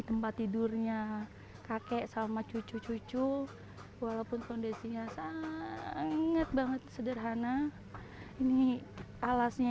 tempat tidurnya kakek sama cucu cucu walaupun kondisinya sangat banget sederhana ini alasnya